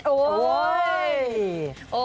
โอ้โห